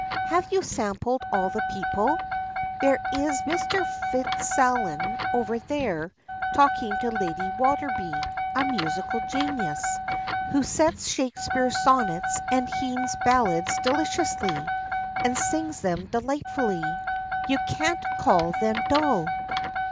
"Have you sampled all the people? There is Mr. Fitzallan over there, talking to Lady Waterbury, a musical genius, who sets Shakespeare's sonnets and Heine's ballads deliciously, and sings them delightfully. You can't call him dull."